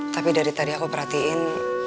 tapi dari tadi aku perhatiin